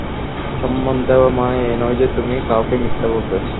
সম্মান দেওয়ার মানে এই নয় যে তুমি কাউকে মিথ্যা বলবে।